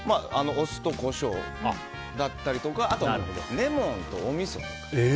お酢とコショウだったりとかあとはレモンとおみそ。